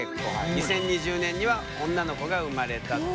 ２０２０年には女の子が生まれたという。